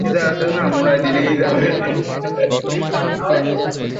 নিজের ধর্মীয় দায়িত্ব পালন করতে আমি তোমাদের ব্যবহার করব।